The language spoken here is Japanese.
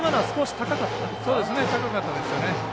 高かったですよね。